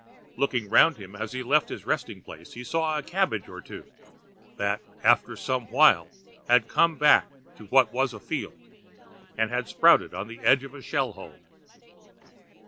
Looking round him as he left his resting place he saw a cabbage or two that after some while had come back to what was a field and had sprouted on the edge of a shell hole.